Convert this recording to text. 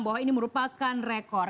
bahwa ini merupakan rekor